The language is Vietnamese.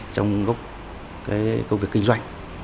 trong gốc công việc kinh doanh